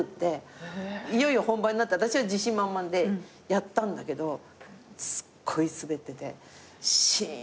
いよいよ本番になって私は自信満々でやったんだけどすっごいスベっててしんってなってて。